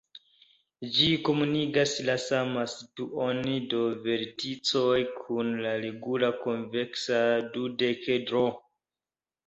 Ĝi komunigas la saman situon de verticoj kun la regula konveksa dudekedro.